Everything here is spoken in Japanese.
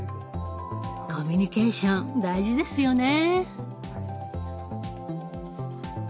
コミュニケーション大事ですよね。